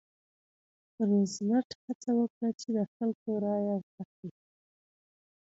روزولټ هڅه وکړه چې د خلکو رایه واخلي.